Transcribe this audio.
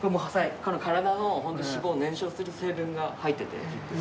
体の脂肪を燃焼する成分が入ってて。